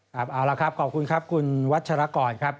เอาละครับขอบคุณครับคุณวัชรกรครับ